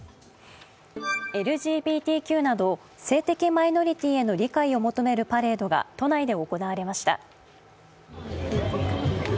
ＬＧＢＴＱなど性的マイノリティーへの理解を求めるパレードが都内で行われました。